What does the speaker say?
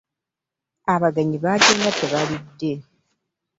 Abagenyi bagenda tebalidde.